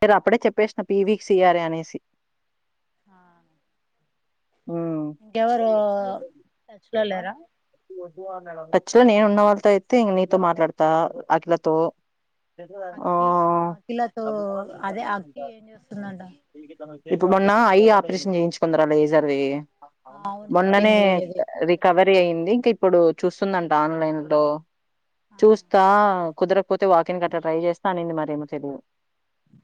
మీరు అప్పుడే చెప్పేసిన పీవీక్ సీఆరే అనేసి ఆ ఉమ్ ఇంకెవరు టచ్ లో లేరా టచ్ లో నేను ఉన్న వాళ్ళతో అయితే ఇగ నీతో మాట్లాడుతా అఖిలతో అ అక్కి ఆ అఖిలతో అదే అక్కి ఏం చేస్తుందంట ఇప్పుడు మొన్న ఐ ఆపరేషన్ చేయించుకుందిరా లేజర్ది ఆ అవును మొన్ననే చెప్పింది అది మళ్ళీ రికవరీ చేపించుకో అయింది ఇంక ఇప్పుడు చూస్తుందంట ఆన్లైన్లో ఆ చూస్తా కుదురకపోతే వాకిన్ కట్లా ట్రై చేస్తా అనింది మరేమో తెలియదు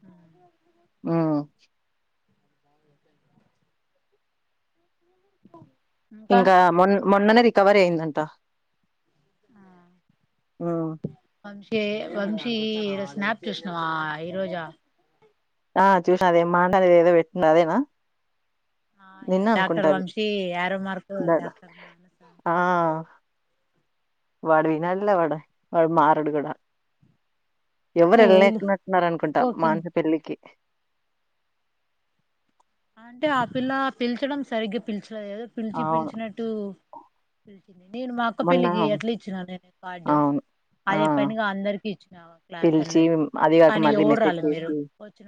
ఆ [unintelligible] ఉమ్ [inaudible] పో ఇంకా మొన్న మొన్ననే రికవరీ అయ్యిందట ఆ వంశే వంశ ఈరోజు స్నాప్ చూసినవా ఈ రోజా ఆ చూసిన అదేమో మాట్లాడేది ఏదో పెట్టింది అదేనా ఆ నిన్న అనుకుంట డాక్టర్ అది Vamshi arrow mark doctor Manasa ఆ వాడు వినడులే వాడు, వాడు మారాడు కూడా ఎవరు ఏ వదులు వెళ్ళలేకనట్టున్నారు అనుకుంటా పో కింది మానస పెళ్ళికి అంటే ఆ పిల్ల పిలిచడం సరిగ్గా పిలిచలేదు కదా పిలిచి అవును. పిలిచినట్టు నేను మా అక్క మొన్న పెళ్లికి ఎట్లా ఇచ్చినాను నేను కార్డు అవును. ఆ! అదే పనిగా అందరికి ఇచ్చ పిలిచి అద్ కాని యోడ్రులేదు మీరు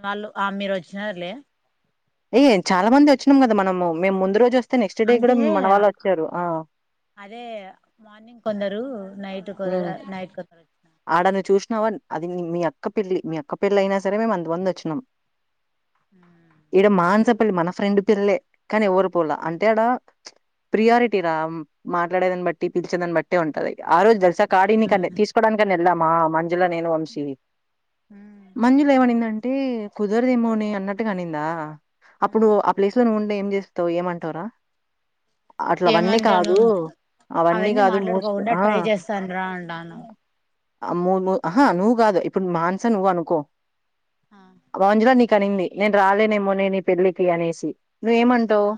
వాళ్ళు ఆ మీరు వచ్చినారులే ఏ చాలా మంది వచ్చినాం కదా మనము మేము ముందు రోజు వస్తే నెక్స్ట్ డే అంటే కూడా మన వాళ్ళు వచ్చారు ఆ అదే మార్నింగ్ కొందరు నైట్ కొందరు హ్మ్. నైట్ కొందరు ఆడ నువ్వు చూసినావ్ అది మీ అక్క పెళ్ళి మీ అక్క పెళ్ళి అయినా సరే మేము అంతమంది వచ్చినాము ఈడ మానస పెళ్లి మన ఫ్రెండ్ పెళ్ళే కానీ ఎవరు పోల అంటే ఆడ ప్రియారిటీ రా మాట్లాడేదాన్ని బట్టి పిలిచే దాని బట్టి ఉంటాది ఇగ ఆ రోజు తెలుసా కాడియని కాని తీసుకోవడానికని వెళ్ళామా మ మంజుల నేను వంశీ మంజులా ఏమనీదంటే కుదరదేమోనే అన్నట్టుగా అనిందా అప్పుడు ఆ ప్లేస్ లో ఉ ఉంటే ఏం చేస్తావు ఏమంటావురా అట్ల అవన్నీ ఏమంటాను కాదు అవన్నీ కాదు మోస్ట్ మాట్లాడుకోకుండా ఆ ట్రై చేస్తాను రా అంటాను ఆ ము ము ఆహా నువ్వు కాదు ఇప్పుడు మానసా నువ్వు అనుకో మంజుల నీకు అనింది నేను రాలేనేమోనేని పెళ్లికి అనేసి నువ్వేమంటావు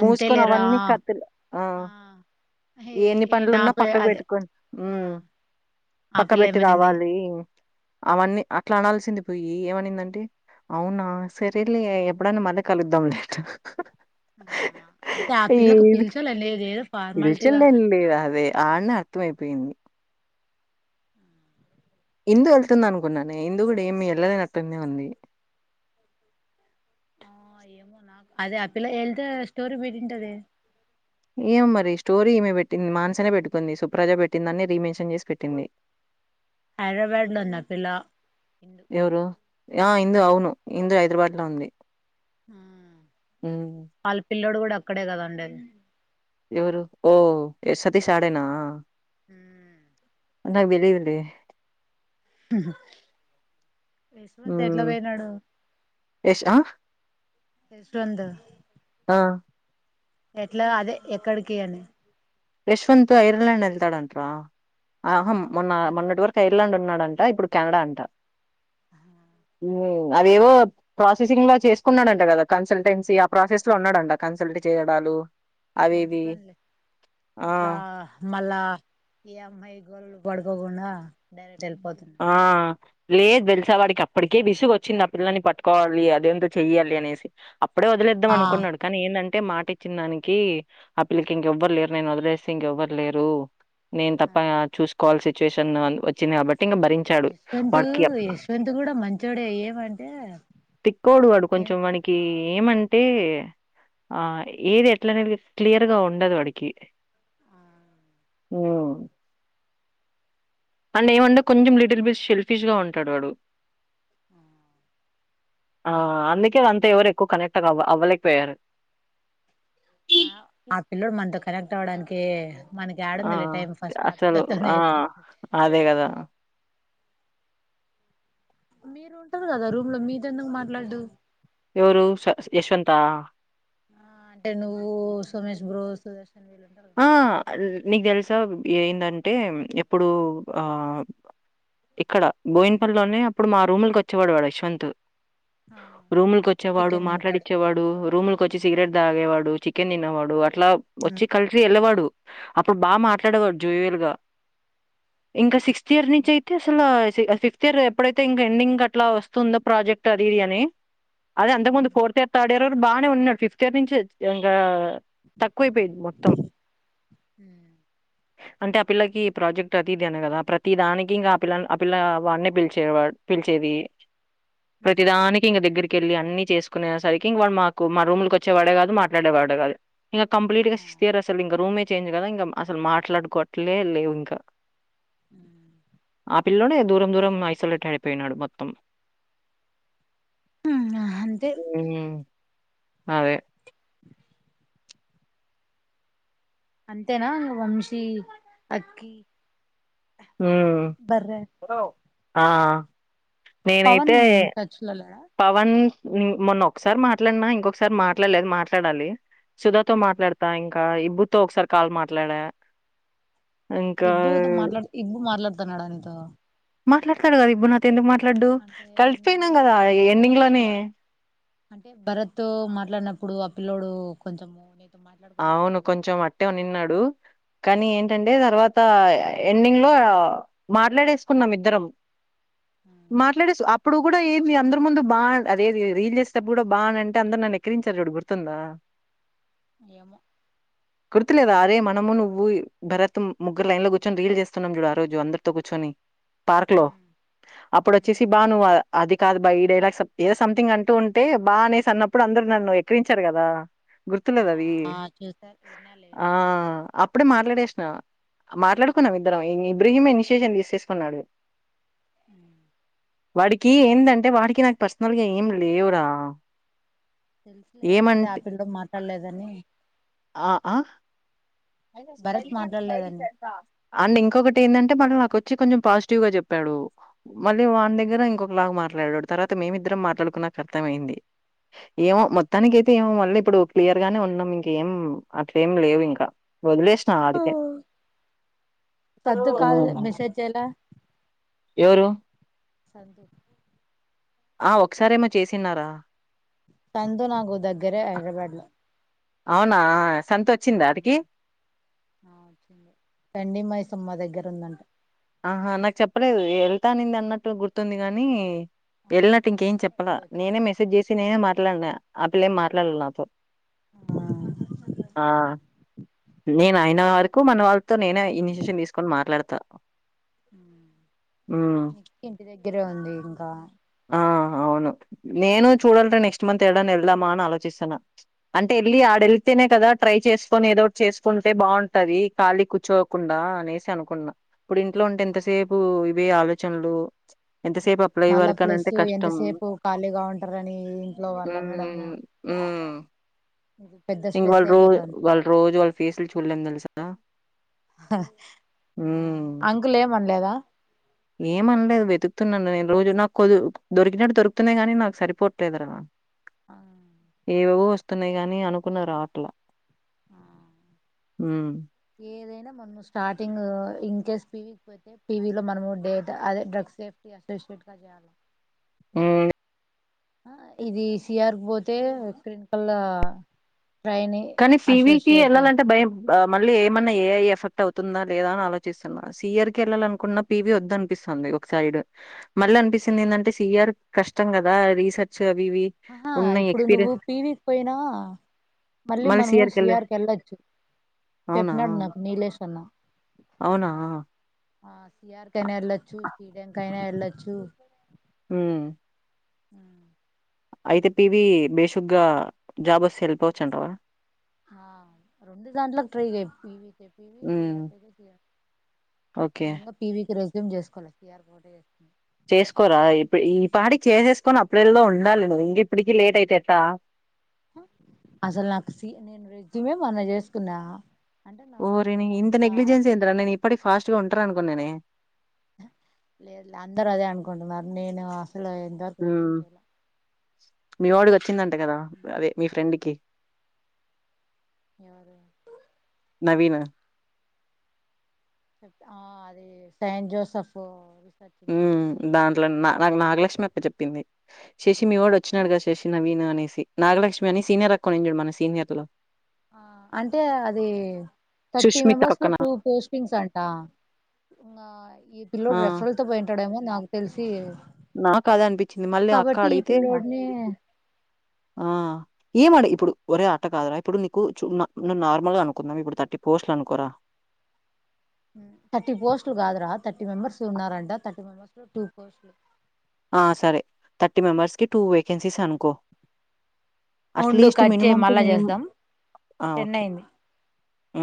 మూసుకొని అవన్నీ కత్తిలు ఆ ఎన్ని ఏ నా పనులున్నా పే పక్కకు అదే పెట్టుకొని ఉ ఆ ఆ పక్క పిల్ల పెట్టి ఏమనింది రావాలి అవన్నీ అట్లా అనాల్సింది పొయి ఏమనిందంటె అవునా సరేలే ఎప్పుడైనా మన కలుద్దాంలె అట అంటే ఆ పిల్లకు ఏది పిలిచలే లేదు ఏదో విచల్ ఫార్మాలిటీగా లే అదే అన్నే అర్థం అయిపోయింది ఇందు వెళ్తుందనుకున్నాను ఇందు కూడా ఏమి వెళ్ళలేనట్టునే ఉంది ఆ అదే అ పిల్ల ఎళ్తే స్టోరి పెట్టుంటదే ఏమో మరి స్టోరీ ఈమె పెట్టింది మాన్సనే పెట్టుకుంది సుప్రాజా పెట్టిందన్ని రీమెన్షన్ చేసి పెట్టింది [inaudible] హైదరాబాద్ లో ఉంది ఆ పిల్ల ఇందు ఎవరు ఆ ఇందు అవును ఇందు హైదరాబాద్ లో ఉంది హ ఉ పిల్లోడు కూడా అక్కడే కదండి ఎవరు ఓ ఏ సతీష్ అడేనా ఉ నాకు తెలియదు లె యశ్వంత్ ఎట్లా హ్మ్ పోయినాడు యష్ ఆ యశ్వంత్ ఆ ఎట్లా అదే ఎక్కడికి అని యశ్వంత్ ఐర్లాండ్ ఎళ్తాడంట్రా ఆ ఆహం మొన్న మంచి పనులు మొన్నటి వరకు ఐర్లాండ్ ఉన్నాడంట ఇప్పుడు కెనడా అంట హ అవేవో ప్రాసెసింగ్ లో చేసుకున్నాడంట కదా కన్సల్టెన్సీ ఆ ప్రాసెస్ లో ఉన్నాడంట కన్సల్ అంటె చేయడాలు అవి మంచి ఇవి పనులే ఆ ఇట్లా మల్లా ఈ అమ్మాయి గోరలో పడుకోకుండ డైరెక్ట్ వెళ్ళిపోతున్నా ఆ లేదు తెల్సా వాడికి అప్పటికే విసుగు వచ్చింది ఆ పిల్లని పట్టుకోవాలి అదేంతో చెయ్యాలి అనేసి అప్పుడే వదిలేద్దాం ఆ అనుకున్నాడు కానీ ఏందం టే మాట ఇచ్చిన దానికి ఆ పిల్లకి ఇంకెవ్వరు లేరు నేను వదిలేస్తే ఇంకెవ్వరు లేరు నేను తప్ప చూసుకోవల్సి సిచ్యువేషన్ వచ్చింది కాబ యశ్వంత్ యశ్వంత్ కూడా మంచోడే ఏమంటే తిక్కోడు వాడు ఏం కొంచెం పేరు వానకి ఆ ఏమంటే ఆ ఏది ఎట్లానేడిది క్లియర్గా ఉండదు వాడికి ఆ ఊ అడ్ ఏమండే కొంచెం లిటిల్ బిస్ షెల్ఫిష్ గా ఉంటాడు వాడు ఉ ఆ అందుకే అంతా ఎవరు ఎక్కువ కనెక్ట్వ అవ్వ అవ్వలేకపోయారు ఆ ఆ పిల్లోడు మనతో కనెక్ట్ అవడానికి మనకి ఆ! యాడుందిలే టైం ఫస్ట్ అసలు ఆపిల్లతోనే ఆ! ఎక్కువం అదే గదా! మీరు ఉంటారు కదా రూమ్ లో మీతో ఎందుకు మాట్లాడ్డు ఎవరు శ యశ్వంత ఆ అంటే నువ్వు సుమేష్ బ్రో సుష్ ఆ నీకు తెలుసా ఏందంటే ఎప్పుడు ఆ ఇక్కడ బోయిన్పల్ లోనే అప్పుడు మా రూములకి వచ్చేవాడు వాడు యశ్వంత్ రూములకొచ్చేవాడు చికెన్ తింటాడు మాట్లాడిచ్చేవాడు రూము కొచ్చి సిగరెట్ తాగేవాడు చికెన్ తినేవాడు అట్లా వచ్చి కలిసి వెళ్ళవాడు అప్పుడు బాగా మాట్లాడేవాడు జోయిల్ గా ఇంకా సిక్స్త్ ఇయర్ నుంచి అయితే అసలు ఫిఫ్త్ ఇయర్ ఎప్పుడైతే ఇంక ఎండింగ్ అట్లా వస్తుందో ప్రాజెక్ట్ అది ఇది అని అదే అంతకు ముందు ఫోర్త్ ఇయర్ థర్డ్ ఇయర్ బానే ఉన్నాడు ఫిఫ్త్ ఇయర్ నుంచి ఇంకా తక్కువైపోయింది మొ త్తం అంటే ఆ పిల్లకి ప్రాజెక్ట్ అతి ఇది అన కదా ప్రతిదానికి ఇంకా ఆ పిల్ల ఆ పిల్ల వాడ్నే పిలిచే పిలిచేది ప్రతిదానికి ఇంగ దగ్గరికి కెళ్ళి అన్ని చేసుకునే సరికి ఇంక వాడు మాకు మా రూమ్లకి వచ్చేవాడే కాదు మాట్లాడే వాడే కాదు ఇంకా కంప్లీట్గా సిక్స్త్ ఇయర్ అసలు ఇంకా రూమే చేంజ్ కదా ఇంకా అసలు మాట్లాడుకోవట్లే లేవు ఇంకా ఆ పిల్లోడే దూరం దూరం ఐసోలేట్ అయిపోయినాడు మొత్తం అంతే ఉ అదే అ అంతేనా ఇంగ వంశీ అక్కి బర్రె ఉ ఆ పవన్ నేనైతే టచ్ లో లేడా పవన్ మొన్న ఒకసారి మాట్లాడినా ఇంకొకసారి మాట్లాడలేదు మాట్లాడాలి సుధాతో మాట్లాడతా ఇంకా ఇబ్బుతో ఒకసారి కాల్ మాట్లాడా ఇంకా ఇబ్బూతో మాట్లాడ ఇబ్బు మాట్లాడతా నాడా నితో మాట్లాడతాడు కదా ఇబ్బూ నాతో ఎందుకు మాట్లాడడు కలిసిపోయినాం నువ్వు కదా ఎండింగ్‌లోనే. అంటే భరత్ తో మాట్లాడినప్పుడు ఆ పిల్లోడు కొంచెం అవును కొంచెం అట్టే నిన్నాడు కానీ ఏంటంటే తర్వాత ఎండింగ్ లో మాట్లాడేసుకున్నాం ఇద్దరం ఆ మాట్లాడేసు అ ఇప్పుడు కూడా ఏంది అందరు ముందు బా అదే రీల్ చేసేప్పుడు కూడా బాగ అంటే అందరు నన్ను ఎక్కిరించారు చూడు గుర్తుందా ఏమో గుర్తులేదా అరే మనము నువ్వు భరత్ ముగ్గురు లై న్ లో కూర్చొని రీల్ చేస్తున్నాం చూడు ఆ రోజు అందరితో కూర్చొని పార్క్ లో అప్పుడు వచ్చేసి బా నువ్ అది కాదు బా ఈ డైలాగ్ ఏదో సంథింగ్ అంటూ ఉంటే బా అనేసి అన్నప్పుడు అందరుూ నన్ను ఎక్కిరించారు కదా గుర్తులేదా అవి ఆ చూసా విన్నాలే విన్నాలే అప్పుడే మాట్లాడేసిన మాట్లాడుకున్నాం ఇద్దరం ఇబ్రహీం ఇనిషియేషన్ తీసేసుకున్నాడు [inaudible] వాడికి ఏందంటే వాడికి నాకు పర్సనల్గా ఏం లేవురా తెలుసులే అదే ఆ ఏమంటే పిల్ల్లో మాట్లాడలేదని ఆ ఆ భరత్ మాట్లాడలేదని [unintelligible] అండ్ ఇంకొకటి ఏందంటే మళ్ళీ నాకు వచ్చి కొంచెం పాజిటివ్గా చెప్పాడు మళ్ళీ వాని దగ్గర ఇంకొకలా మా మాట్లాడడు తర్వాత మేమిద్దరం మాట్లాడుకున్నాకు అర్థంమయింది ఏమో మొత్తానికయితే మళ్ళీ ఇప్పుడు క్లియర్ గానే ఉన్నాం ఇంకేం అట్లేం లేవు ఇంకా వదిలేసిన ఆడికే సద్దు కాల్ ఉం మెసేజ్ చేయలా ఎవరు సంందు [unintelligible] ఆ ఒకసారేమో చేసిన్నారా చందు నాకు దగ్గరే హైదరాబాద్ లో అవునా సంత వచ్చిందా ఆడికి గండి మైసమ్మ దగ్గర ఉందంట ఆహా నాకు చెప్పలేదు వెళ్తానుంది అన్నట్టు గుర్తుంది గాని వెళ్ళినట్టు ఇంకేం మొన్ననే చెప్పాల ఎప్పుడో నేనే వచ్చిందంట మెసేజ్ చేసి నేనే మాట్లాడిన ఆ పిల్లేం మాట్లాడల నాతో ఆ నేను అయిన వరకు మన వాళ్ళ తో నేనే ఇనీసియేషన్ తీసుకుని మాట్లాడత ఉమ్ ఇంటి దగ్గరే ఉంది ఇంకా ఆ హా అవును నేను చూడాలంటే నెక్స్ట్ మంత్ ఎటన వెళ్దామా అని ఆలోచిస్తన అంటే వెళ్లి అడ్ వెల్తేనే కదా ట్రై చేసుకొని ఏదో ఒకటి చేసుకుంటే బాగుంటది ఖాళీ కూర్చోకుండా అనేసి అనుకున్నా ఇప్పుడు ఇంట్లో ఉంటే ఆ ఎంతసేపు ఇవే ఆలోచనలు ఎంత సేపు ఆ ప్లై మళ్ళా ప్లస్ ఎంతసేపు ఖాళీగా ఉంటారని ఇంట్లో వాళ్ళ మేడము ఆ ఇంగ వాళ్ళ రోజ అయిపోతుంది వాళ్ళ రోజు వాళ్ళ ఫేస్లు చూడలేము తెలుసా ఉం అంకుల్ ఏమనలేదా ఏమ్ అనలేదు వెతుకు న్నాను నేను రోజు నాకు కొ దొరికినట్టు దొరుకుతున్నా గాని నాకు సరిపోట్లేదు రా ఆ ఏవవో వస్తున్నాయి గాని అనుకున్నాయ్రాట్లా ఆ హ్మ్ ఏదైనా మనము స్టార్టింగ్ ఇన్కేస్ పివకి పోతే పివ లో మనము డేట అదే డ్రగ్స్ సేఫ్టీ అసలు స్ట్గా చేయాల ఆ ఆ ఇది సిఆర్కు పోతే క్రీన్కల్లా కానీ సి వీ కి వెళ్ళాలంటే భయం మళ్ళీ ఏమన్నా ఏ ఐ ఎఫెక్ట్ అవుతుందా లేదా అని ఆలోచిస్తున్నా సియర్ కి వెళ్ళాలనుకున్నా పి వి వద్ద అనిపిస్తుంది ఒక సైడ్ మళ్ళీ అనిపిస్తుంది ఏంటంటే సి ఆర్ కష్టం కదా రీసెర్చ్ అవి ఇవి ఆహా ఉన్న ఇప్పుడు నువ్వు ఎక్స్‌పీరియన్స్ పీ వి కి పోయినా మల్లి మళ్ళీ మనమూ సి సీఆర్‌కెళ్ళే ఆర్ కెళ్ళుచ్చు అవునా? చెప్పినాడు నాకు నీలేష్ అన్నా అవునా? ఆ సిఆర్ కైనా వెళ్ళొచ్చు శీడెం కైనా వెళ్ళొచ్చు హ్మ్ అ అయితే పి వి బేషగ్గా జాబ్ వస్తే ఎల్ప్ అవచ్చంటవా రెండు దాట్లకి ట్రై చేపియ్ హ్మ్. ఓకే. నేను ఇంకా పీవీకి రెజ్యూమ్ చేసుకోవాలి సి ఆర్ కోట చేంది చేసుకోరా ఇప్పు ఈ పాడికి చేసేసుకొని అప్పుడేళ్లో ఉండాలి నువ్వు ఇంక ఇప్పటికి లేట్ అయితేట్టా అసలు నాకు నేను రెజ్మే మన చేసుకున్నా అంటే నాకు ఓరి ఇంత అంత నెగ్లిజెన్స ఏంటరా నేను ఇప్పటి ఫాస్ట్ గా ఉంటార అనుకున్న నేనే లేదు లే అందరు అదే అనుకుంటున్నారు నేను అసలు ఎంతవరకు రెజ్యూమ్ హ్మ్ చేయలే మీ వాడికి వచ్చిందంట కదా అదే మీ ఫ్రెండ్కి ఎరు నవీన చెప్ ఆ అదే సైంట్ జోసెఫ్ రీసెర్చ్ ఇన్స్టిట్యూట్ లో అంట దాంట్లో నా నాక్ నాగలక్ష్మి అక్క చెప్పింది చశి మీ వాడు వచ్చాడుగాద శశి నవీను అనేసి నాగలక్ష్మి అని సీనియర్ అ కొనించాడు మన సీనియర్ లో ఆ అంటే అది థర్టీ సుష్మిత. మెంబర్స్ లో పక్కన. టూ పోస్టింగ్స్ అంటా ఇ ఈ పిల్లడు ఆ! రెఫరల్ తో పోయంటాడేమో నాకు తెలిసి నా కద అనిపించింది మళ్ళీ అక్క కాబట్టి ఈ అడిగితే పిల్లోడిని ఆ ఏం మాట ఇప్పుడు ఒరే ఆట కాదురా ఇప్పుడు నీకు ను నార్మల్ గా అనుకుందాం ఇప్పుడు థర్టీ పోస్ట్లు అనుకోరా థర్టీ పోస్ట్లు కాదురా థర్టీ మెంబర్స్ ఉన్నారంట థర్టీ మెంబెర్స్ లో టూ పోస్ట్లు ఆ సరే థర్టీ మెంబర్స్కి టూ వేకెన్సీస్ అనుకో ఉండు అట్లీస్ట్ కట్ చేయి మనిమమ్ టు మళ్ళా మిన్మమ్ చేద్దాం ఆ టెన్ ఓకే అయింది ఆ